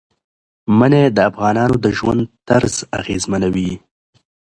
منی د افغانانو د ژوند طرز اغېزمنوي.